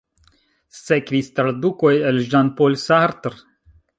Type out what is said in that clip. Sekvis tradukoj el Jean-Paul Sartre.